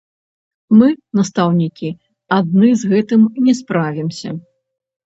Мы, настаўнікі, адны з гэтым не справімся.